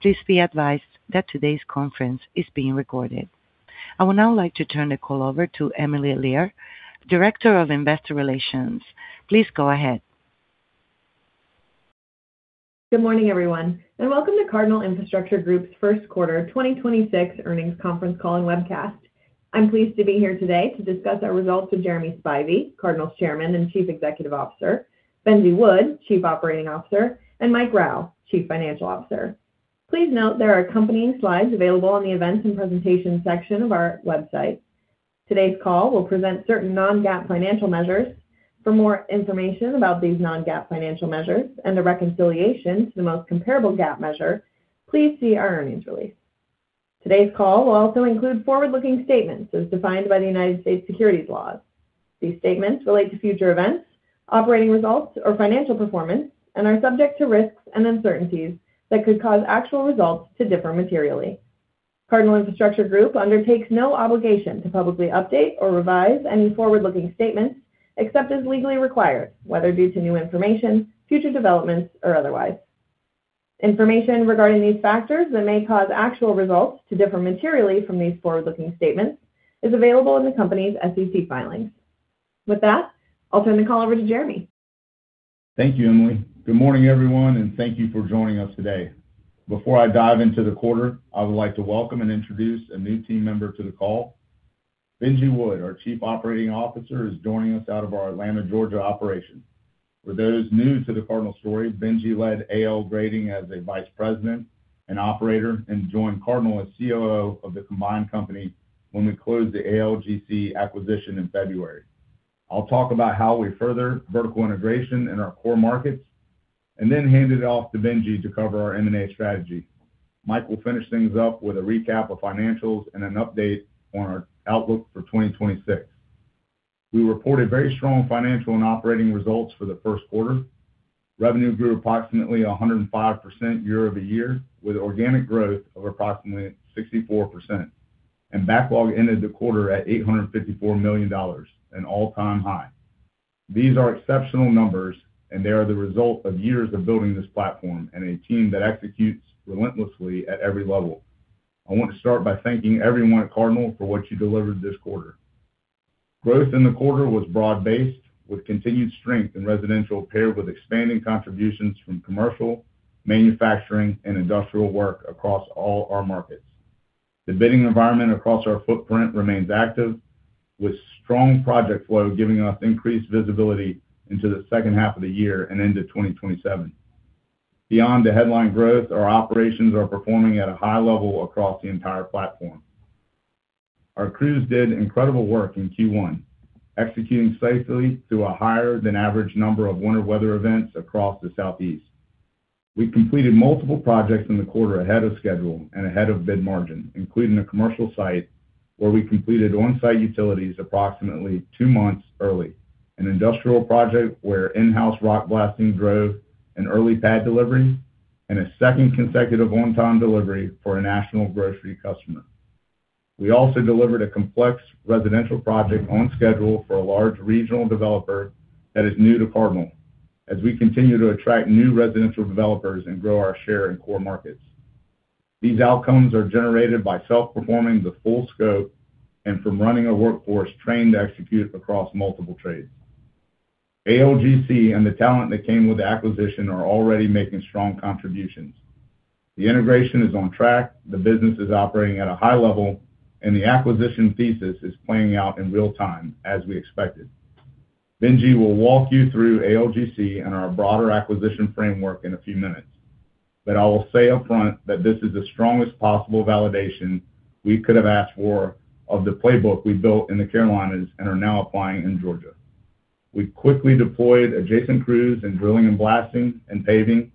Please be advised that today's conference is being recorded. I would now like to turn the call over to Emily Lear, Director of Investor Relations. Please go ahead. Good morning, everyone, welcome to Cardinal Infrastructure Group's first quarter 2026 earnings conference call and webcast. I'm pleased to be here today to discuss our results with Jeremy Spivey, Cardinal's Chairman and Chief Executive Officer, Benji Wood, Chief Operating Officer, and Mike Rowe, Chief Financial Officer. Please note there are accompanying slides available on the Events and Presentations section of our website. Today's call will present certain non-GAAP financial measures. For more information about these non-GAAP financial measures and the reconciliation to the most comparable GAAP measure, please see our earnings release. Today's call will also include forward-looking statements as defined by the U.S. securities laws. These statements relate to future events, operating results, or financial performance and are subject to risks and uncertainties that could cause actual results to differ materially. Cardinal Infrastructure Group undertakes no obligation to publicly update or revise any forward-looking statements except as legally required, whether due to new information, future developments, or otherwise. Information regarding these factors that may cause actual results to differ materially from these forward-looking statements is available in the company's SEC filings. With that, I'll turn the call over to Jeremy. Thank you, Emily. Good morning, everyone, and thank you for joining us today. Before I dive into the quarter, I would like to welcome and introduce a new team member to the call. Benji Wood, our Chief Operating Officer, is joining us out of our Atlanta, Georgia operation. For those new to the Cardinal story, Benji led A.L. Grading Contractors as a Vice President and Operator and joined Cardinal as COO of the combined company when we closed the A. L. Grading Contractors acquisition in February. I'll talk about how we further vertical integration in our core markets and then hand it off to Benji to cover our M&A strategy. Mike will finish things up with a recap of financials and an update on our outlook for 2026. We reported very strong financial and operating results for the first quarter. Revenue grew approximately 105% year-over-year, with organic growth of approximately 64%. Backlog ended the quarter at $854 million, an all-time high. These are exceptional numbers, and they are the result of years of building this platform and a team that executes relentlessly at every level. I want to start by thanking everyone at Cardinal for what you delivered this quarter. Growth in the quarter was broad-based, with continued strength in residential paired with expanding contributions from commercial, manufacturing, and industrial work across all our markets. The bidding environment across our footprint remains active, with strong project flow giving us increased visibility into the second half of the year and into 2027. Beyond the headline growth, our operations are performing at a high level across the entire platform. Our crews did incredible work in Q1, executing safely through a higher than average number of winter weather events across the Southeast. We completed multiple projects in the quarter ahead of schedule and ahead of bid margin, including a commercial site where we completed on-site utilities approximately two months early, an industrial project where in-house rock blasting drove an early pad delivery, and a second consecutive on-time delivery for a national grocery customer. We also delivered a complex residential project on schedule for a large regional developer that is new to Cardinal as we continue to attract new residential developers and grow our share in core markets. These outcomes are generated by self-performing the full scope and from running a workforce trained to execute across multiple trades. ALGC and the talent that came with the acquisition are already making strong contributions. The integration is on track, the business is operating at a high level, and the acquisition thesis is playing out in real time as we expected. Benji will walk you through ALGC and our broader acquisition framework in a few minutes. I will say upfront that this is the strongest possible validation we could have asked for of the playbook we built in the Carolinas and are now applying in Georgia. We quickly deployed adjacent crews in drilling and blasting and paving,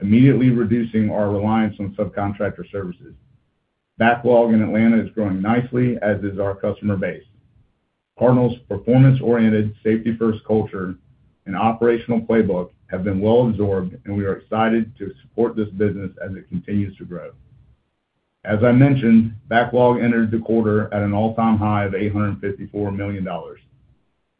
immediately reducing our reliance on subcontractor services. Backlog in Atlanta is growing nicely, as is our customer base. Cardinal's performance-oriented safety-first culture and operational playbook have been well absorbed, and we are excited to support this business as it continues to grow. As I mentioned, backlog entered the quarter at an all-time high of $854 million.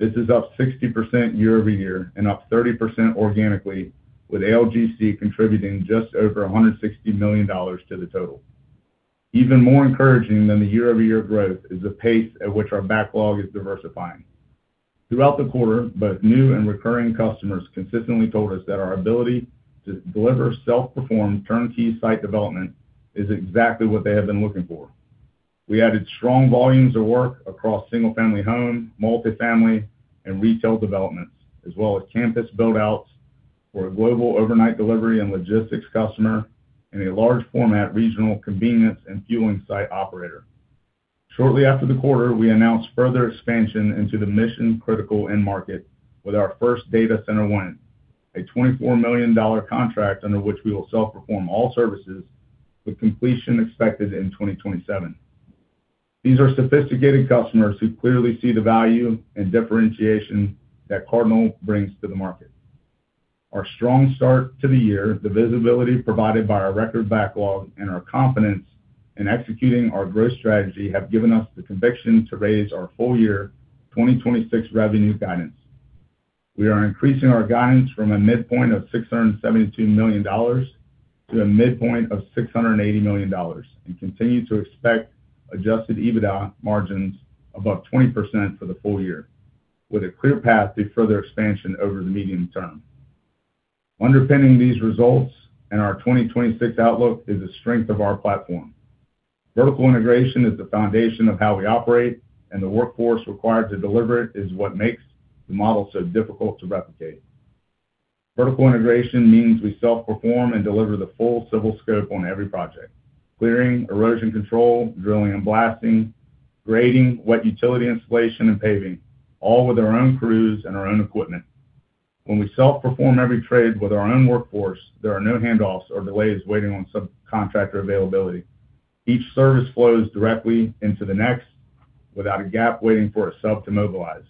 This is up 60% year-over-year and up 30% organically, with ALGC contributing just over $160 million to the total. Even more encouraging than the year-over-year growth is the pace at which our backlog is diversifying. Throughout the quarter, both new and recurring customers consistently told us that our ability to deliver self-performed turnkey site development is exactly what they have been looking for. We added strong volumes of work across single-family home, multi-family, and retail developments, as well as campus build-outs for a global overnight delivery and logistics customer and a large format regional convenience and fueling site operator. Shortly after the quarter, we announced further expansion into the mission-critical end market with our first data center win, a $24 million contract under which we will self-perform all services with completion expected in 2027. These are sophisticated customers who clearly see the value and differentiation that Cardinal brings to the market. Our strong start to the year, the visibility provided by our record backlog, and our confidence in executing our growth strategy have given us the conviction to raise our full year 2026 revenue guidance. We are increasing our guidance from a midpoint of $672 million to a midpoint of $680 million, and continue to expect Adjusted EBITDA margins above 20% for the full year, with a clear path to further expansion over the medium term. Underpinning these results and our 2026 outlook is the strength of our platform. Vertical integration is the foundation of how we operate, and the workforce required to deliver it is what makes the model so difficult to replicate. Vertical integration means we self-perform and deliver the full civil scope on every project. Clearing, erosion control, drilling and blasting, grading, wet utility installation and paving, all with our own crews and our own equipment. When we self-perform every trade with our own workforce, there are no handoffs or delays waiting on subcontractor availability. Each service flows directly into the next without a gap waiting for a sub to mobilize.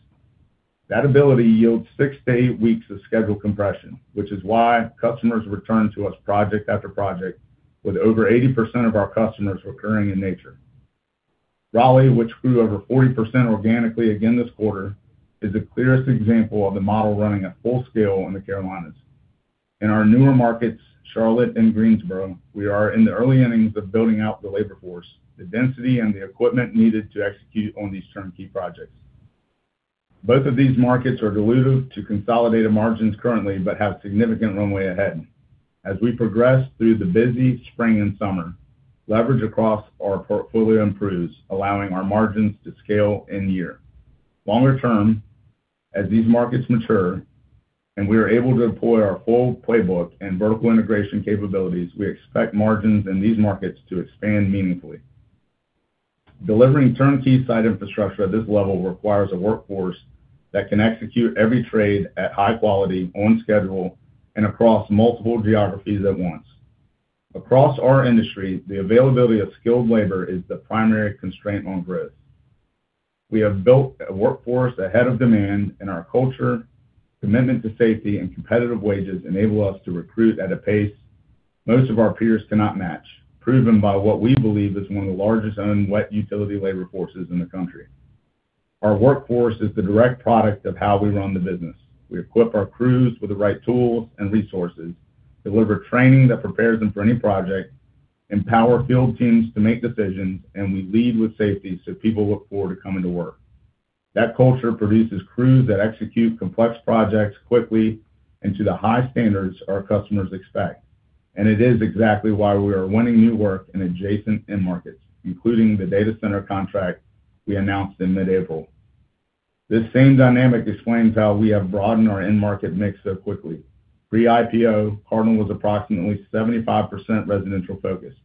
That ability yields six to eight weeks of schedule compression, which is why customers return to us project after project with over 80% of our customers recurring in nature. Raleigh, which grew over 40% organically again this quarter, is the clearest example of the model running at full scale in the Carolinas. In our newer markets, Charlotte and Greensboro, we are in the early innings of building out the labor force, the density and the equipment needed to execute on these turnkey projects. Both of these markets are dilutive to consolidated margins currently, but have significant runway ahead. As we progress through the busy spring and summer, leverage across our portfolio improves, allowing our margins to scale in-year. Longer term, as these markets mature and we are able to deploy our full playbook and vertical integration capabilities, we expect margins in these markets to expand meaningfully. Delivering turnkey site infrastructure at this level requires a workforce that can execute every trade at high quality on schedule and across multiple geographies at once. Across our industry, the availability of skilled labor is the primary constraint on growth. We have built a workforce ahead of demand, and our culture, commitment to safety and competitive wages enable us to recruit at a pace most of our peers cannot match, proven by what we believe is one of the largest owned wet utility labor forces in the country. Our workforce is the direct product of how we run the business. We equip our crews with the right tools and resources, deliver training that prepares them for any project, empower field teams to make decisions, and we lead with safety so people look forward to coming to work. That culture produces crews that execute complex projects quickly and to the high standards our customers expect. It is exactly why we are winning new work in adjacent end markets, including the data center contract we announced in mid-April. This same dynamic explains how we have broadened our end market mix so quickly. Pre-IPO, Cardinal was approximately 75% residential-focused.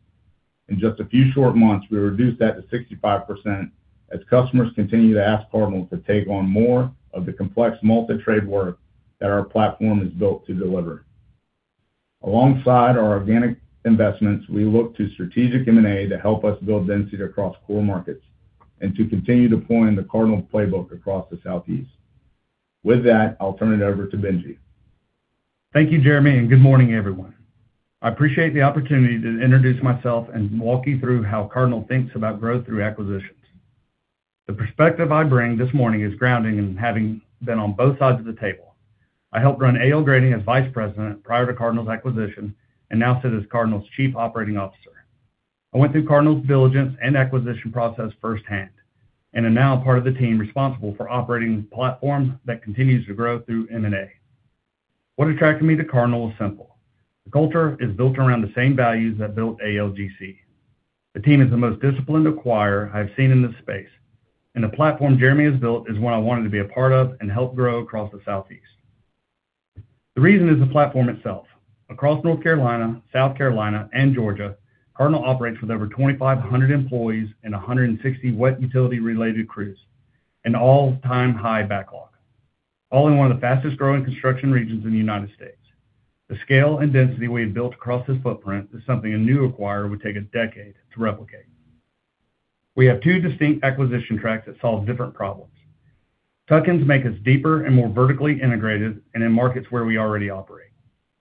In just a few short months, we reduced that to 65% as customers continue to ask Cardinal to take on more of the complex multi-trade work that our platform is built to deliver. Alongside our organic investments, we look to strategic M&A to help us build density across core markets and to continue deploying the Cardinal playbook across the Southeast. With that, I'll turn it over to Benji. Thank you, Jeremy. Good morning, everyone. I appreciate the opportunity to introduce myself and walk you through how Cardinal thinks about growth through acquisitions. The perspective I bring this morning is grounding in having been on both sides of the table. I helped run A. L. Grading as Vice President prior to Cardinal's acquisition and now sit as Cardinal's Chief Operating Officer. I went through Cardinal's diligence and acquisition process firsthand and am now part of the team responsible for operating the platform that continues to grow through M&A. What attracted me to Cardinal is simple. The culture is built around the same values that built ALGC. The team is the most disciplined acquirer I've seen in this space, and the platform Jeremy has built is one I wanted to be a part of and help grow across the Southeast. The reason is the platform itself. Across North Carolina, South Carolina, and Georgia, Cardinal operates with over 2,500 employees and 160 wet utility-related crews, an all-time high backlog, all in one of the fastest-growing construction regions in the United States. The scale and density we have built across this footprint is something a new acquirer would take a decade to replicate. We have two distinct acquisition tracks that solve different problems. Tuck-ins make us deeper and more vertically integrated and in markets where we already operate.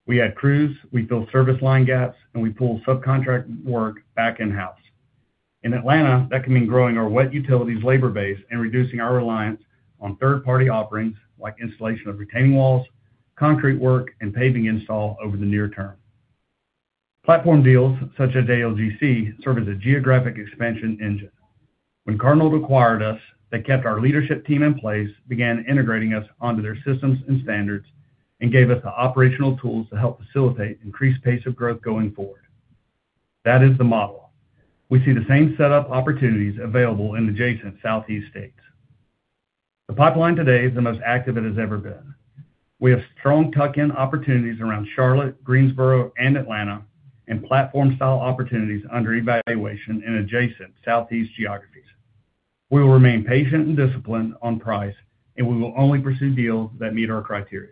We add crews, we fill service line gaps, and we pull subcontract work back in-house. In Atlanta, that can mean growing our wet utilities labor base and reducing our reliance on third-party offerings like installation of retaining walls, concrete work, and paving install over the near term. Platform deals such as ALGC serve as a geographic expansion engine. When Cardinal acquired us, they kept our leadership team in place, began integrating us onto their systems and standards, and gave us the operational tools to help facilitate increased pace of growth going forward. That is the model. We see the same set of opportunities available in adjacent Southeast states. The pipeline today is the most active it has ever been. We have strong tuck-in opportunities around Charlotte, Greensboro, and Atlanta, and platform-style opportunities under evaluation in adjacent Southeast geographies. We will remain patient and disciplined on price, and we will only pursue deals that meet our criteria.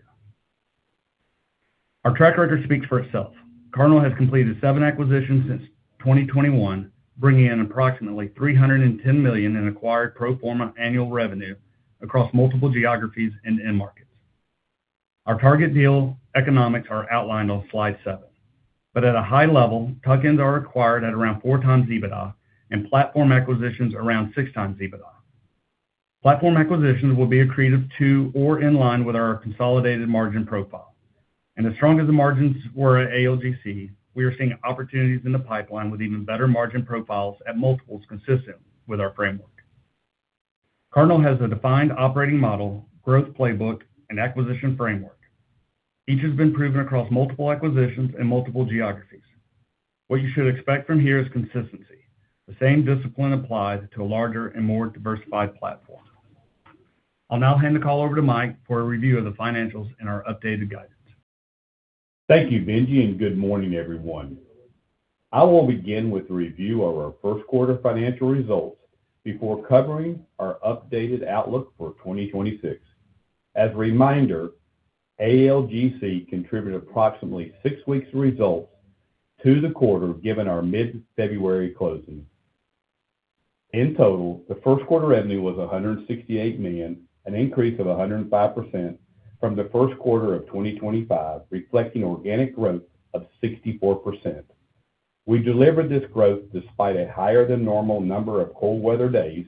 Our track record speaks for itself. Cardinal has completed seven acquisitions since 2021, bringing in approximately $310 million in acquired pro forma annual revenue across multiple geographies and end markets. Our target deal economics are outlined on slide seven. At a high level, tuck-ins are acquired at around 4x EBITDA and platform acquisitions around 6x EBITDA. Platform acquisitions will be accretive to or in line with our consolidated margin profile. As strong as the margins were at ALGC, we are seeing opportunities in the pipeline with even better margin profiles at multiples consistent with our framework. Cardinal has a defined operating model, growth playbook, and acquisition framework. Each has been proven across multiple acquisitions and multiple geographies. What you should expect from here is consistency. The same discipline applies to a larger and more diversified platform. I'll now hand the call over to Mike for a review of the financials and our updated guidance. Thank you, Benji, and good morning, everyone. I will begin with a review of our first quarter financial results before covering our updated outlook for 2026. As a reminder, ALGC contributed approximately six weeks results to the quarter, given our mid-February closing. In total, the first quarter revenue was $168 million, an increase of 105% from the first quarter of 2025, reflecting organic growth of 64%. We delivered this growth despite a higher than normal number of cold weather days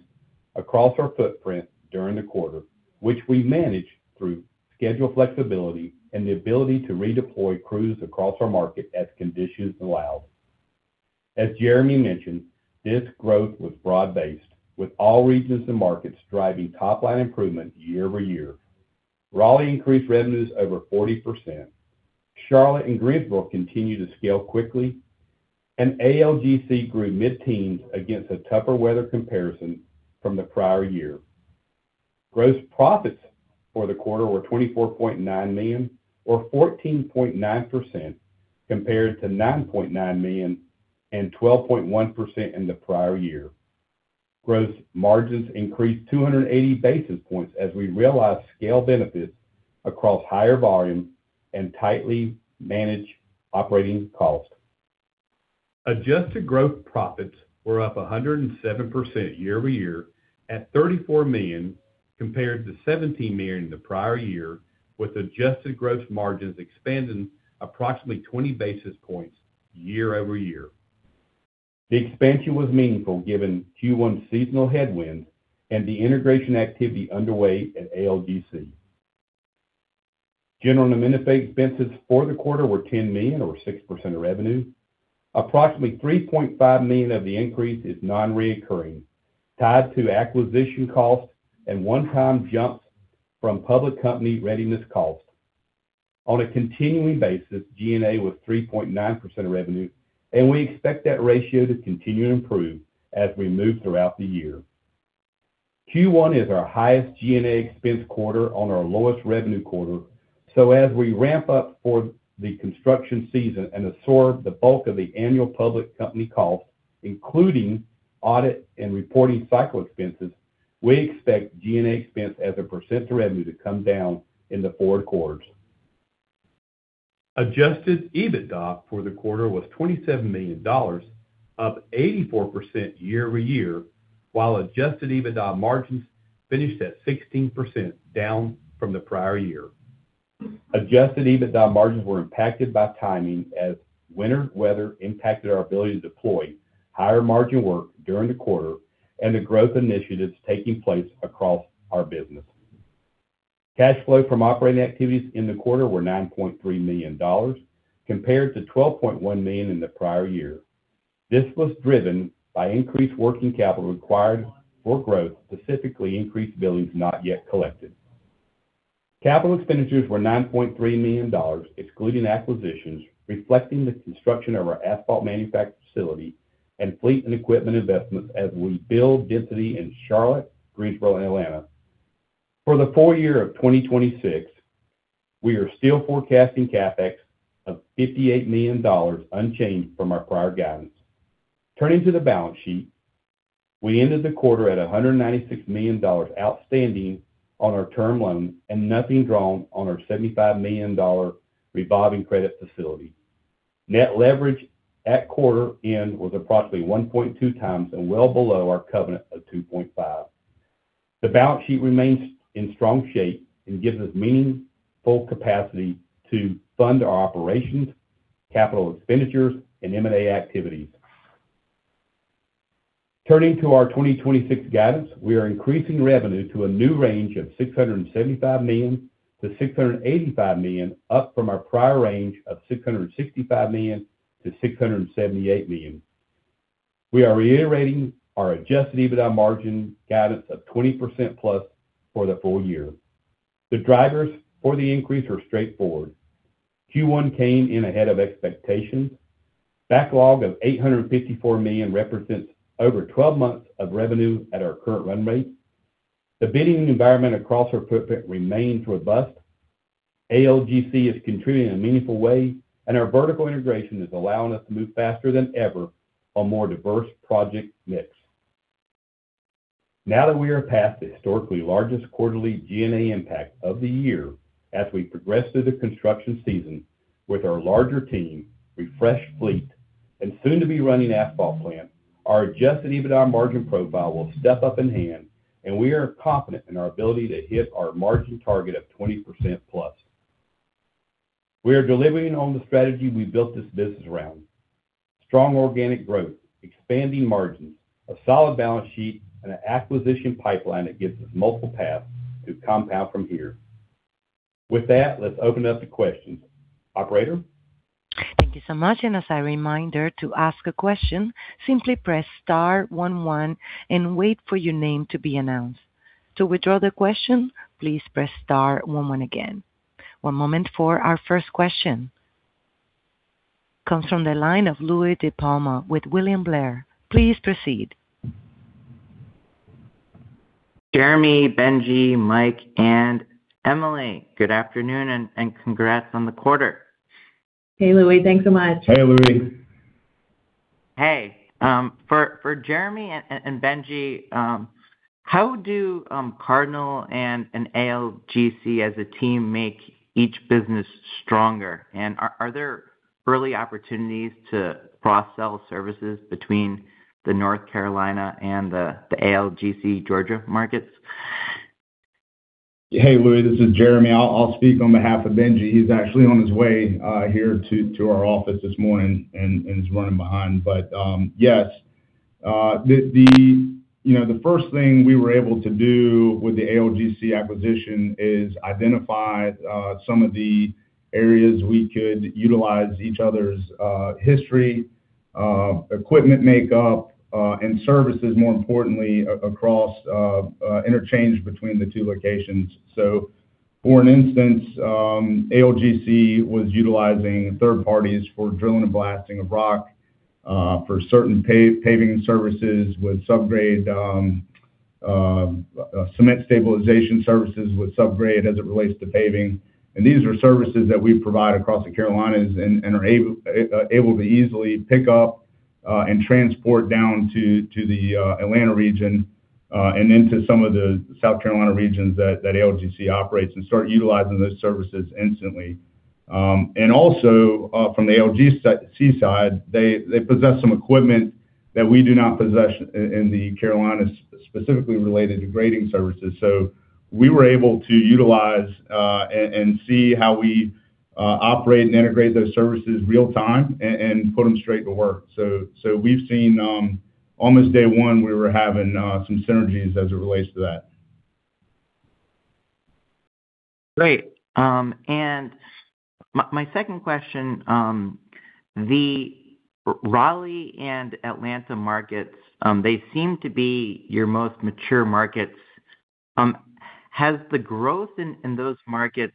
across our footprint during the quarter, which we managed through schedule flexibility and the ability to redeploy crews across our market as conditions allowed. As Jeremy mentioned, this growth was broad-based with all regions and markets driving top-line improvement year-over-year. Raleigh increased revenues over 40%. Charlotte and Greensboro continue to scale quickly, and ALGC grew mid-teens against a tougher weather comparison from the prior year. Gross profits for the quarter were $24.9 million or 14.9% compared to $9.9 million and 12.1% in the prior year. Gross margins increased 280 basis points as we realized scale benefits across higher volume and tightly managed operating costs. Adjusted Gross Profits were up 107% year-over-year at $34 million compared to $17 million in the prior year, with adjusted gross margins expanding approximately 20 basis points year-over-year. The expansion was meaningful given Q1 seasonal headwinds and the integration activity underway at ALGC. General and administrative expenses for the quarter were $10 million or 6% of revenue. Approximately $3.5 million of the increase is non-recurring, tied to acquisition costs and one-time jumps from public company readiness costs. On a continuing basis, G&A was 3.9% of revenue, We expect that ratio to continue to improve as we move throughout the year. Q1 is our highest G&A expense quarter on our lowest revenue quarter. As we ramp up for the construction season and absorb the bulk of the annual public company costs, including audit and reporting cycle expenses, we expect G&A expense as a % of revenue to come down in the forward quarters. Adjusted EBITDA for the quarter was $27 million, up 84% year-over-year, while Adjusted EBITDA margins finished at 16%, down from the prior year. Adjusted EBITDA margins were impacted by timing as winter weather impacted our ability to deploy higher margin work during the quarter and the growth initiatives taking place across our business. Cash flow from operating activities in the quarter were $9.3 million compared to $12.1 million in the prior year. This was driven by increased working capital required for growth, specifically increased billings not yet collected. Capital expenditures were $9.3 million, excluding acquisitions, reflecting the construction of our asphalt manufacture facility and fleet and equipment investments as we build density in Charlotte, Greensboro, and Atlanta. For the full year of 2026, we are still forecasting CapEx of $58 million, unchanged from our prior guidance. Turning to the balance sheet, we ended the quarter at $196 million outstanding on our term loan and nothing drawn on our $75 million revolving credit facility. Net leverage at quarter end was approximately 1.2x and well below our covenant of 2.5x. The balance sheet remains in strong shape and gives us meaningful capacity to fund our operations, capital expenditures, and M&A activities. Turning to our 2026 guidance, we are increasing revenue to a new range of $675 million-$685 million, up from our prior range of $665 million-$678 million. We are reiterating our Adjusted EBITDA margin guidance of 20%+ for the full year. The drivers for the increase are straightforward. Q1 came in ahead of expectations. Backlog of $854 million represents over 12 months of revenue at our current run rate. The bidding environment across our footprint remains robust. ALGC is contributing in a meaningful way, and our vertical integration is allowing us to move faster than ever on more diverse project mix. Now that we are past the historically largest quarterly G&A impact of the year as we progress through the construction season with our larger team, refreshed fleet. Soon to be running asphalt plant. Our Adjusted EBITDA margin profile will step up in hand, and we are confident in our ability to hit our margin target of 20%+. We are delivering on the strategy we built this business around. Strong organic growth, expanding margins, a solid balance sheet, and an acquisition pipeline that gives us multiple paths to compound from here. With that, let's open up to questions. Operator? Thank you so much. As a reminder, to ask a question, simply press star one one and wait for your name to be announced. To withdraw the question, please press star one one again. One moment for our first question. Comes from the line of Louie DiPalma with William Blair. Please proceed. Jeremy, Benji, Mike, and Emily, good afternoon and congrats on the quarter. Hey, Louie. Thanks so much. Hey, Louie. Hey. For Jeremy and Benji, how do Cardinal and ALGC as a team make each business stronger? Are there early opportunities to cross-sell services between the North Carolina and the ALGC Georgia markets? Hey, Louie, this is Jeremy. I'll speak on behalf of Benji. He's actually on his way here to our office this morning and is running behind. Yes, the, you know, the first thing we were able to do with the ALGC acquisition is identify some of the areas we could utilize each other's history, equipment makeup, and services more importantly across interchange between the two locations. For an instance, ALGC was utilizing third parties for drilling and blasting of rock, for certain paving services with subgrade, cement stabilization services with subgrade as it relates to paving. These are services that we provide across the Carolinas and are able to easily pick up and transport down to the Atlanta region and into some of the South Carolina regions that ALGC operates and start utilizing those services instantly. Also, from the ALGC side, they possess some equipment that we do not possess in the Carolinas specifically related to grading services. We were able to utilize and see how we operate and integrate those services real-time and put them straight to work. We've seen almost day one, we were having some synergies as it relates to that. Great. My second question, the Raleigh and Atlanta markets, they seem to be your most mature markets. Has the growth in those markets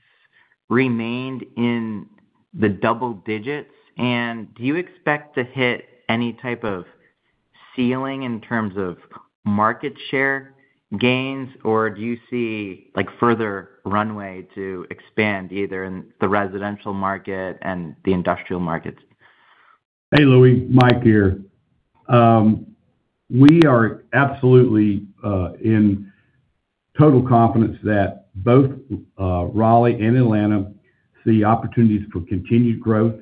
remained in the double digits? Do you expect to hit any type of ceiling in terms of market share gains, or do you see, like, further runway to expand either in the residential market and the industrial markets? Hey, Louie. Mike Rowe here. We are absolutely in total confidence that both Raleigh and Atlanta see opportunities for continued growth.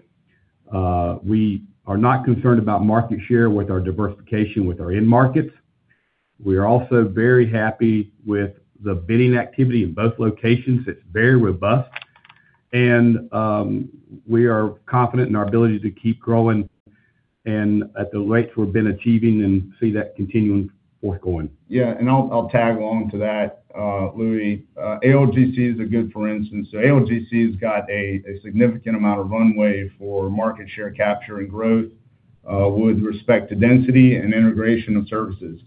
We are not concerned about market share with our diversification with our end markets. We are also very happy with the bidding activity in both locations. It's very robust. We are confident in our ability to keep growing and at the rates we've been achieving and see that continuing forthgoing. I'll tag along to that, Louie. ALGC is a good for instance. ALGC's got a significant amount of runway for market share capture and growth with respect to density and integration of services.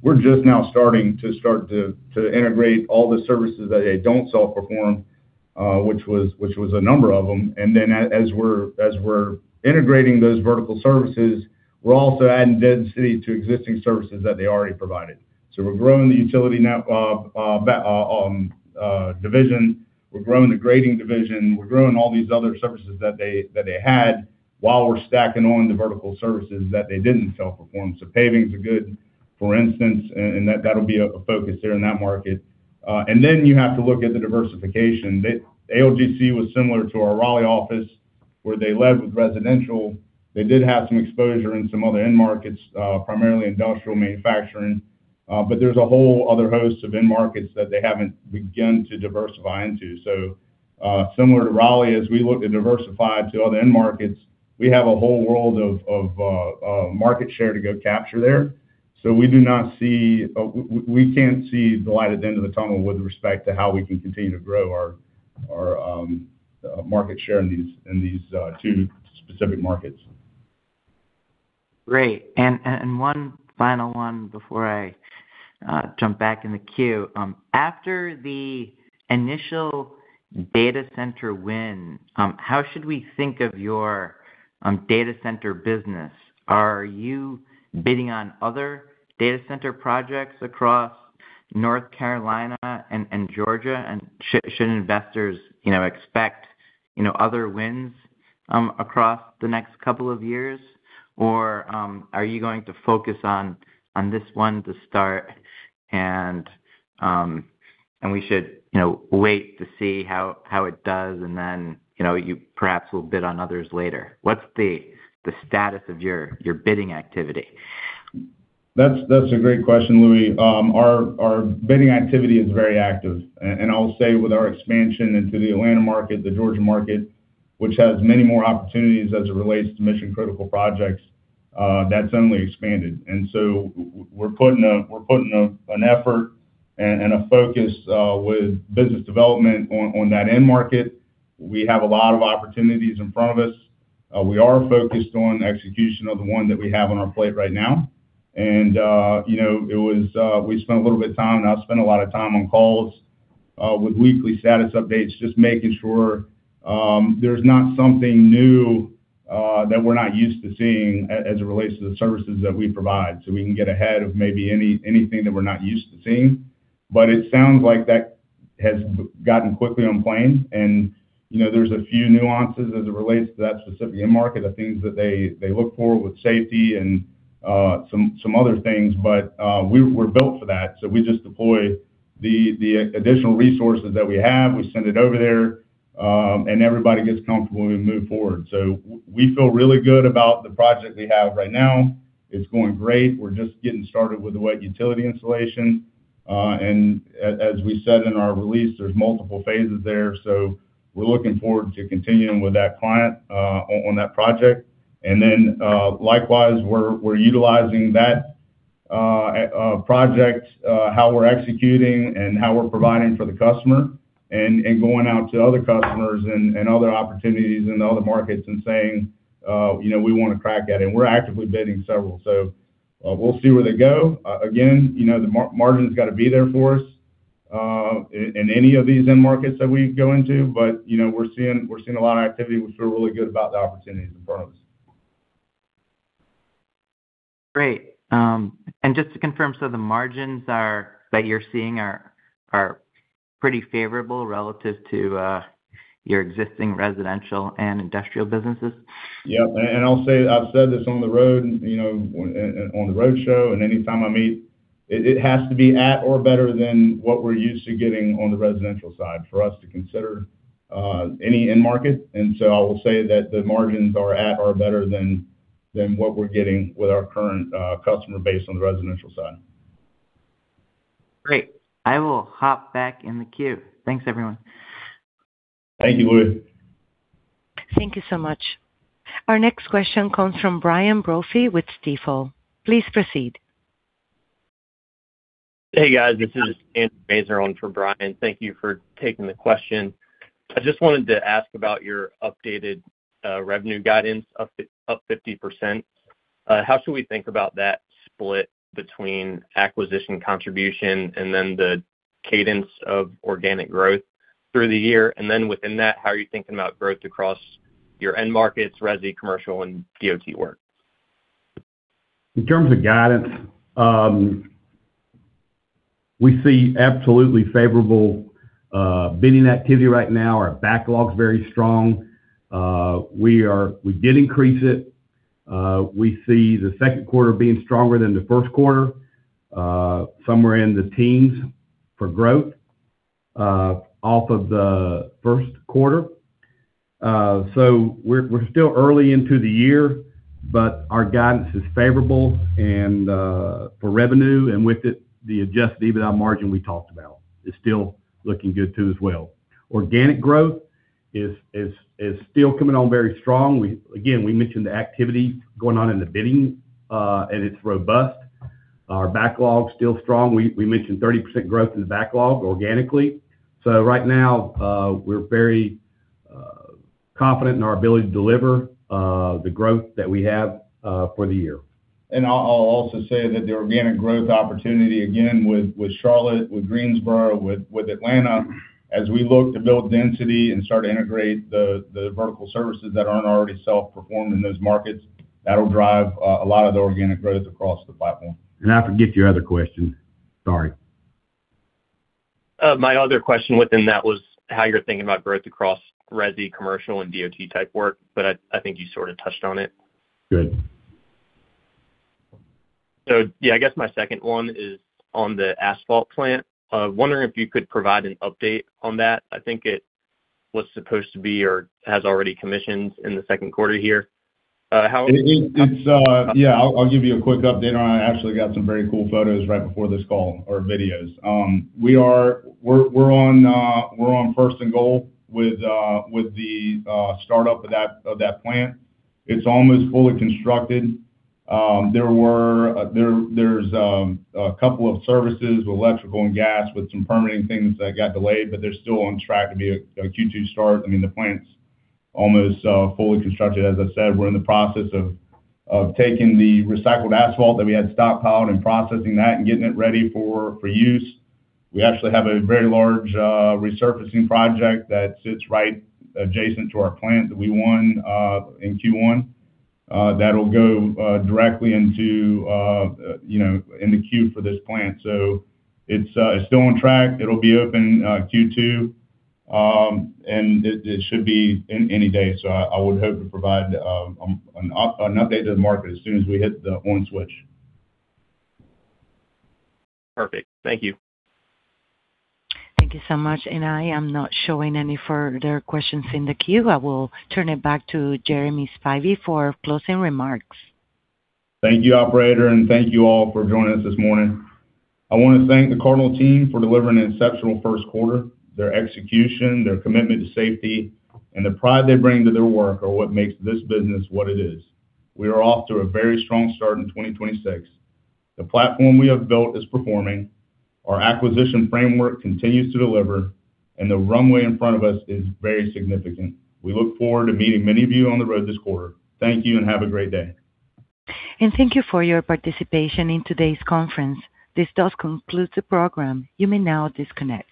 We're just now starting to integrate all the services that they don't self-perform, which was a number of them. As we're integrating those vertical services, we're also adding density to existing services that they already provided. We're growing the utility now division, we're growing the grading division, we're growing all these other services that they had while we're stacking on the vertical services that they didn't self-perform. Paving is a good for instance, that'll be a focus there in that market. You have to look at the diversification. ALGC was similar to our Raleigh office where they led with residential. They did have some exposure in some other end markets, primarily industrial manufacturing. There's a whole other host of end markets that they haven't begun to diversify into. Similar to Raleigh, as we look to diversify to other end markets, we have a whole world of market share to go capture there. We do not see we can't see the light at the end of the tunnel with respect to how we can continue to grow our market share in these two specific markets. Great. One final one before I jump back in the queue. After the initial data center win, how should we think of your data center business? Are you bidding on other data center projects across North Carolina and Georgia? Should investors, you know, expect, you know, other wins across the next couple of years? Or are you going to focus on this one to start and we should, you know, wait to see how it does and then, you know, you perhaps will bid on others later? What's the status of your bidding activity? That's a great question, Louie. Our bidding activity is very active. And I'll say with our expansion into the Atlanta market, the Georgia market, which has many more opportunities as it relates to mission-critical projects, that's only expanded. We're putting an effort and a focus with business development on that end market. We have a lot of opportunities in front of us. We are focused on execution of the one that we have on our plate right now. You know, it was We spent a little bit of time, and I've spent a lot of time on calls, with weekly status updates, just making sure there's not something new that we're not used to seeing as it relates to the services that we provide, so we can get ahead of maybe anything that we're not used to seeing. It sounds like that has gotten quickly on plan and, you know, there's a few nuances as it relates to that specific end market of things that they look for with safety and some other things. We were built for that, so we just deploy the additional resources that we have. We send it over there, and everybody gets comfortable, and we move forward. We feel really good about the project we have right now. It's going great. We're just getting started with the wet utility installation. As we said in our release, there's multiple phases there, so we're looking forward to continuing with that client on that project. Likewise, we're utilizing that project, how we're executing and how we're providing for the customer and going out to other customers and other opportunities in other markets and saying, you know, "We wanna crack that." We're actively bidding several, so we'll see where they go. Again, you know, the margin's gotta be there for us in any of these end markets that we go into. You know, we're seeing a lot of activity. We feel really good about the opportunities in front of us. Great. Just to confirm, the margins are that you're seeing are pretty favorable relative to your existing residential and industrial businesses? Yep. I'll say, I've said this on the road, you know, on the road show and anytime I meet. It has to be at or better than what we're used to getting on the residential side for us to consider, any end market. I will say that the margins are at or better than what we're getting with our current, customer base on the residential side. Great. I will hop back in the queue. Thanks, everyone. Thank you, Louie. Thank you so much. Our next question comes from Brian Brophy with Stifel. Please proceed. Hey, guys. This is Andrew Maser for Brian Brophy. Thank you for taking the question. I just wanted to ask about your updated revenue guidance up 50%. How should we think about that split between acquisition contribution and the cadence of organic growth through the year? Within that, how are you thinking about growth across your end markets, resi, commercial, and DOT work? In terms of guidance, we see absolutely favorable bidding activity right now. Our backlog's very strong. We did increase it. We see the second quarter being stronger than the first quarter, somewhere in the teens for growth, off of the first quarter. We're still early into the year, but our guidance is favorable and for revenue and with it, the Adjusted EBITDA margin we talked about. It's still looking good too as well. Organic growth is still coming on very strong. Again, we mentioned the activity going on in the bidding, it's robust. Our backlog's still strong. We mentioned 30% growth in backlog organically. Right now, we're very confident in our ability to deliver the growth that we have for the year. I'll also say that the organic growth opportunity, again, with Charlotte, with Greensboro, with Atlanta, as we look to build density and start to integrate the vertical services that aren't already self-performed in those markets, that'll drive a lot of the organic growth across the platform. I forget your other question. Sorry. My other question within that was how you're thinking about growth across resi, commercial, and DOT-type work, but I think you sort of touched on it. Good. Yeah, I guess my second one is on the asphalt plant. Wondering if you could provide an update on that. I think it was supposed to be or has already commissioned in the second quarter here. It's, I'll give you a quick update on it. I actually got some very cool photos right before this call, or videos. We're on first and goal with the startup of that plant. It's almost fully constructed. There's a couple of services, electrical and gas, with some permitting things that got delayed, but they're still on track to be a Q2 start. I mean, the plant's almost fully constructed. As I said, we're in the process of taking the recycled asphalt that we had stockpiled and processing that and getting it ready for use. We actually have a very large resurfacing project that sits right adjacent to our plant that we won in Q1. That'll go directly into, you know, in the queue for this plant. It's still on track. It'll be open Q2. It, it should be any day. I would hope to provide an update to the market as soon as we hit the on switch. Perfect. Thank you. Thank you so much. I am not showing any further questions in the queue. I will turn it back to Jeremy Spivey for closing remarks. Thank you, operator, and thank you all for joining us this morning. I want to thank the Cardinal team for delivering an exceptional first quarter. Their execution, their commitment to safety, and the pride they bring to their work are what makes this business what it is. We are off to a very strong start in 2026. The platform we have built is performing. Our acquisition framework continues to deliver. The runway in front of us is very significant. We look forward to meeting many of you on the road this quarter. Thank you. Have a great day. Thank you for your participation in today's conference. This does conclude the program. You may now disconnect.